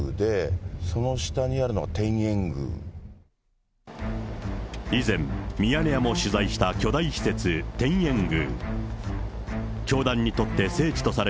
一番上にあるのが天正宮で、以前、ミヤネ屋も取材した巨大施設、天苑宮。